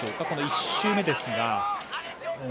この１周目ですが。